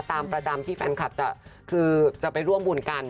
ตามประจำที่แฟนคลับจะคือจะไปร่วมบุญกัน